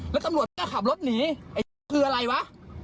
แล้วตำรวจมันก็ขับรถหนีไอ้พวกคืออะไรวะ